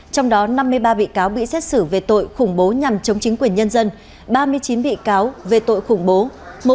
trong đó năm mươi ba bị cáo bị xét xử về tội khủng bố nhằm chống chính quyền nhân dân ba mươi chín bị cáo về tội khủng bố